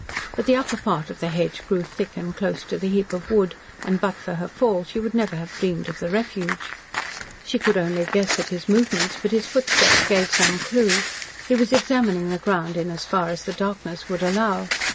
But the upper part of the hedge grew thick and close to the heap of wood, and, but for her fall, she would never have dreamed of the refuge. She could only guess at his movements, but his footsteps gave some clue. He was examining the ground in as far as the darkness would allow.